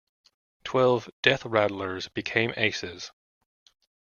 Twelve "Death Rattlers" became aces.